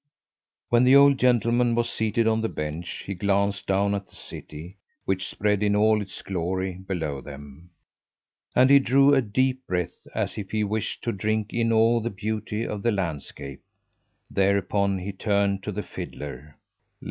When the old gentleman was seated on the bench he glanced down at the city, which spread in all its glory below him, and he drew a deep breath, as if he wished to drink in all the beauty of the landscape. Thereupon he turned to the fiddler.